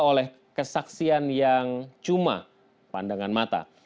oleh kesaksian yang cuma pandangan mata